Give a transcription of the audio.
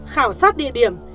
khảo sát địa điểm